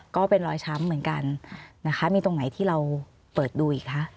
ก็เป็นรอยช้ำเหมือนกันนะคะมีตรงไหนที่เราเปิดดูอีกคะ